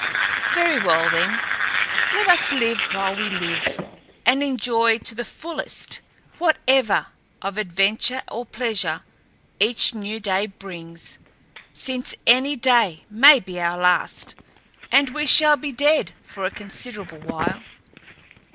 "Very well, then, let us live while we live, and enjoy to the fullest whatever of adventure or pleasure each new day brings, since any day may be our last, and we shall be dead for a considerable while."